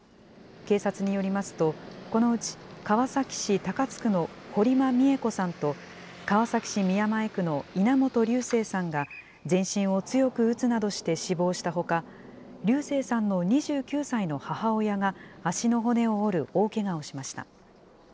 警察によりますと、このうち川崎市高津区の堀間美恵子さんと川崎市宮前区の稲本琉正さんが全身を強く打つなどして死亡したほか、琉生さんの２９歳の母親が足の骨を折る大けがをしました。